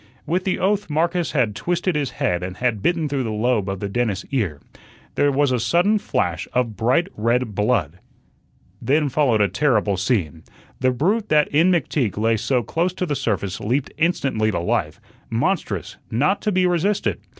With the oath Marcus had twisted his head and had bitten through the lobe of the dentist's ear. There was a sudden flash of bright red blood. Then followed a terrible scene. The brute that in McTeague lay so close to the surface leaped instantly to life, monstrous, not to be resisted.